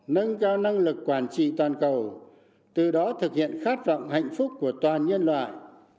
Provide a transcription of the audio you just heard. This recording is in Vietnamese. nâng cao năng lực quản trị toàn cầu từ đó thực hiện khát vọng hạnh phúc của toàn nhân loại